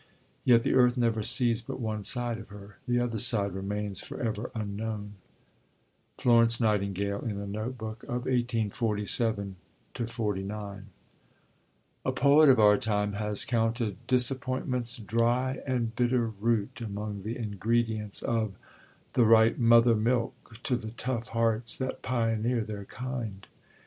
Yet the Earth never sees but one side of her; the other side remains for ever unknown. FLORENCE NIGHTINGALE (in a Note book of 1847 49). A poet of our time has counted "Disappointment's dry and bitter root" among the ingredients of "the right mother milk to the tough hearts that pioneer their kind."